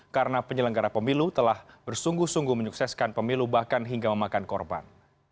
karena penyelenggara pemilu telah bersungguh sungguh menyukseskan pemilu bahkan hingga memakan korban